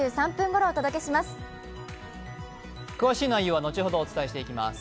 詳しい内容は後ほどお伝えしていきます。